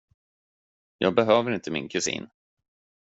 Jag behöver inte min kusin.